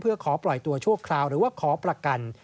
เพื่อขอปล่อยตัวชั่วคราวหรือว่าขอประกัน